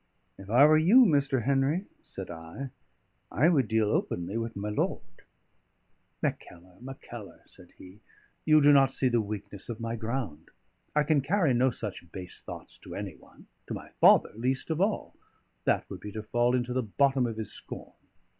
"If I were you, Mr. Henry," said I, "I would deal openly with my lord." "Mackellar, Mackellar," said he, "you do not see the weakness of my ground. I can carry no such base thoughts to any one to my father least of all; that would be to fall into the bottom of his scorn.